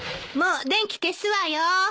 もう電気消すわよ。